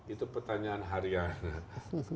itu pertanyaan harian